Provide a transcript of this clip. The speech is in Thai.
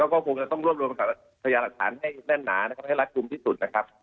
ก็คงจะต้องร่วมรวมกับทะเยาะหลักฐานให้แน่นหนาให้รักษุมที่สุดนะครับ